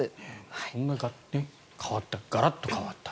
そんな変わったガラッと変わった。